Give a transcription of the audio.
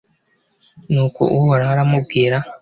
nuko uhoraho aramubwira